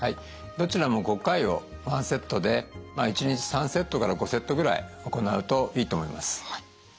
どちらも５回を１セットで１日３セットから５セットぐらい行うといいと思います。